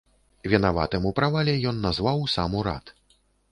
Вінаватым у правале ён назваў сам урад.